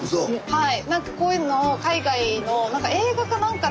はい。